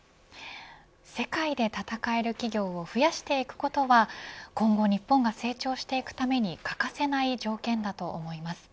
世界で戦える企業を増やしていくことは今後、日本が成長していくために欠かせない条件だと思います。